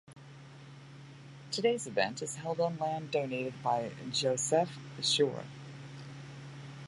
Today's event is held on land donated by Josef Pschorr.